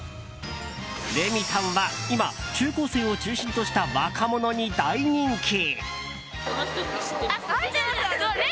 レミたんは今、中高生を中心とした若者に大人気。